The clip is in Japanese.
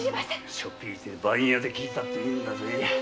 しょっ引いて番屋で訊いたっていいんだぜ。